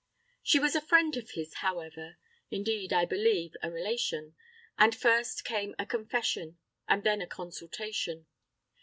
She was a friend of his, however indeed, I believe, a relation and first came a confession, and then a consultation.